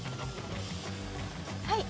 はい。